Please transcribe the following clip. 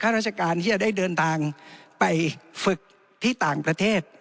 ราชการที่จะได้เดินทางไปฝึกที่ต่างประเทศ